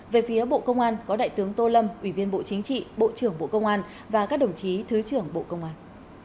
về phía bộ công an có đại tướng tô lâm ủy viên bộ chính trị bộ trưởng bộ công an và các đồng chí thứ trưởng bộ công an